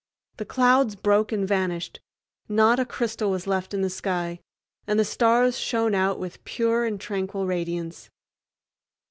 The clouds broke and vanished, not a crystal was left in the sky, and the stars shone out with pure and tranquil radiance.